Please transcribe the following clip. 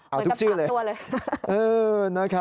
เอาทุกชื่อเลย